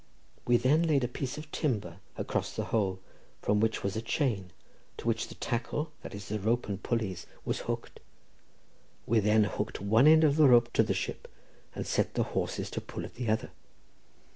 We then laid a piece of timber across the hole from which was a chain, to which the tackle—that is, the rope and pulleys—was hooked. We then hooked one end of the rope to the ship, and set the horses to pull at the other.